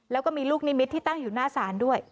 แล้วก็มีลูกนิมิตที่ตั้งอยู่หน้าศาลด้วย